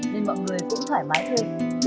nên mọi người cũng thoải mái hơn